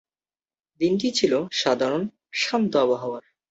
দিনটি ছিল সাধারণ, শান্ত আবহাওয়ার।